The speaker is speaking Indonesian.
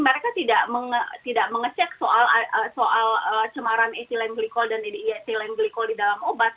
mereka tidak mengecek soal cemaran etilen glikol dan etilen glikol di dalam obat